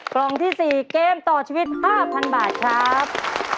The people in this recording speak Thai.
กล่องที่๔เกมต่อชีวิต๕๐๐๐บาทครับ